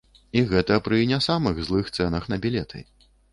І гэта пры не самых злых цэнах на білеты.